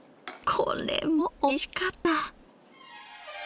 これもおいしかった。